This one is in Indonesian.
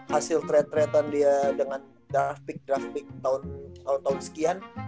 hasil trade traden dia dengan draft pick draft pick tahun tahun sekian